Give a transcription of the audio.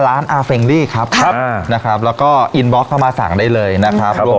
ร้านครับครับนะครับแล้วก็เข้ามาสั่งได้เลยนะครับครับผม